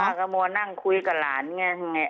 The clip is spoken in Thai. ป้ากระมวลนั่งคุยกับหลานไง